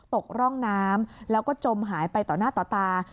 ตกร่องน้ำแล้วก็จมหายไปต่อหน้าต่อตา